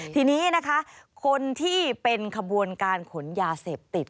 ทีนี้นะคะคนที่เป็นขบวนการขนยาเสพติด